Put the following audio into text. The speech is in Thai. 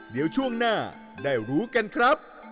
เดี๋ยวช่วงหน้าได้รู้กันครับ